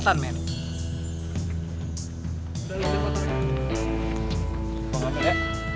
taruhannya motor gue